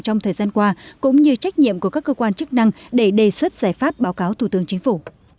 trong thời gian qua cũng như trách nhiệm của các cơ quan chức năng để đề xuất giải pháp báo cáo thủ tướng chính phủ